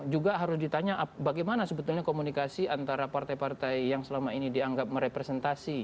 juga harus ditanya bagaimana sebetulnya komunikasi antara partai partai yang selama ini dianggap merepresentasi